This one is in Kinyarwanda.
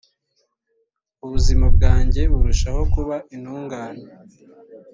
ubuzima bwanjye burushaho kuba intungane